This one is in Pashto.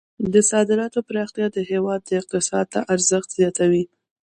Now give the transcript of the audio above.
د صادراتو پراختیا د هیواد اقتصاد ته ارزښت زیاتوي.